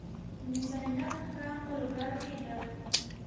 د مس عینک کان په لوګر کې دی